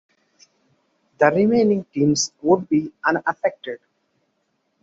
The remaining teams would be unaffected.